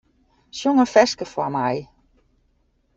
Sjong in ferske foar my.